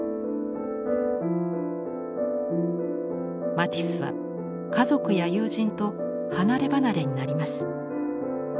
マティスは家族や友人と離れ離れになります。